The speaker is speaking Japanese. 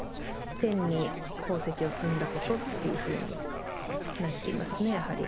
天に功績を積んだことっていうふうになっていますね、やはり。